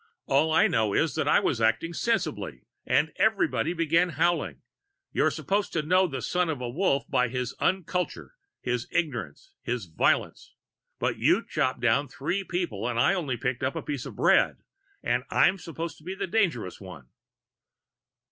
All I know is that I was acting sensibly. And everybody began howling! You're supposed to know a Son of the Wolf by his unculture, his ignorance, his violence. But you chopped down three people and I only picked up a piece of bread! And I'm supposed to be the dangerous one!"